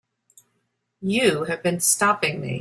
You have been stopping me.